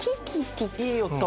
いい音。